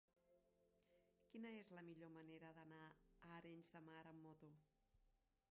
Quina és la millor manera d'anar a Arenys de Mar amb moto?